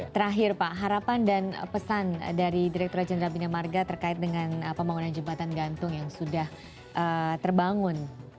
terakhir pak harapan dan pesan dari direkturat jenderal bina marga terkait dengan pembangunan jembatan gantung yang sudah terbangun